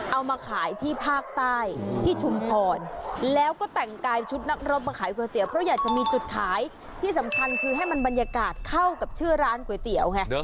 เอามาขายที่ภาคใต้ที่ชุมพรแล้วก็แต่งกายชุดนักรบมาขายก๋วยเตี๋ยวเพราะอยากจะมีจุดขายที่สำคัญคือให้มันบรรยากาศเข้ากับชื่อร้านก๋วยเตี๋ยวไง